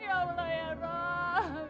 ya allah ya ra